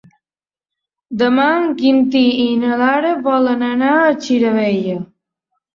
Demà en Quintí i na Lara volen anar a Xirivella.